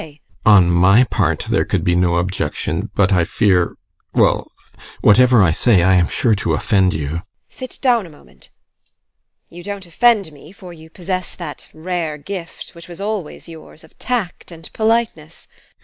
On my part there could be no objection, but I fear well, whatever I say, I am sure to offend you.